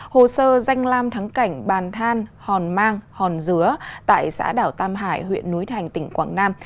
hồ sơ danh lam thắng cảnh bàn than hòn mang hòn dứa tại xã đảo tam hải huyện núi thành tỉnh quảng nam